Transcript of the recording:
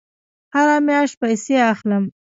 هره میاشت پیسې اخلم